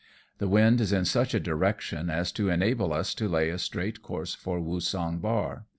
The wind is in such a direction as to enable us to lay a straight course for Woosung bar.